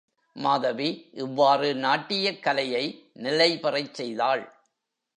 மாதவி இவ்வாறு நாட்டியக் கலையை நிலைபெறச் செய்தாள்.